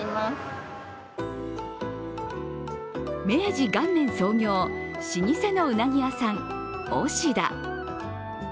明治元年創業、老舗のうなぎ屋さん、押田。